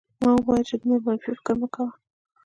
ما وویل چې دومره منفي فکر مه کوه